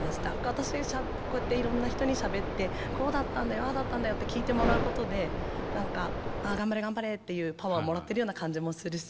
私こうやっていろんな人にしゃべってこうだったんだよああだったんだよって聞いてもらうことで何か頑張れ頑張れっていうパワーもらってるような感じもするし。